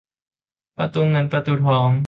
ประตูเงินประตูทอง